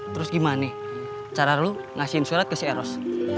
terus gimana cara lu ngasihin surat ke si eros